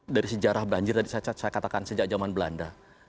dari sejarah banjir tadi saya katakan sejak zaman belanda